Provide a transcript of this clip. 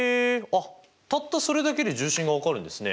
あったったそれだけで重心が分かるんですね。